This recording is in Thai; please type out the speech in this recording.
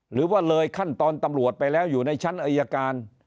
หรือว่าเลยขั้นตอนตำรวจไปแล้วอยู่ในชั้นอายการ